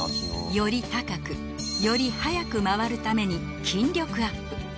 より高くより速く回るために筋力アップ